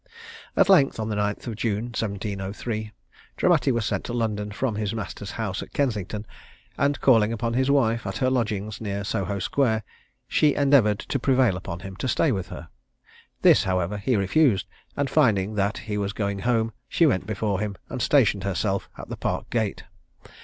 At length, on the 9th of June, 1703, Dramatti was sent to London from his master's house at Kensington, and calling upon his wife at her lodgings near Soho square, she endeavoured to prevail upon him to stay with her. This, however, he refused; and finding that he was going home, she went before him, and stationed herself at the Park gate.